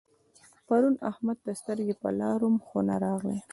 پرون احمد ته سترګې پر لار وم خو نه راغی.